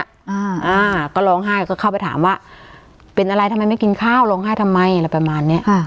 อ่าอ่าก็ร้องไห้ก็เข้าไปถามว่าเป็นอะไรทำไมไม่กินข้าวร้องไห้ทำไมอะไรประมาณเนี้ยค่ะ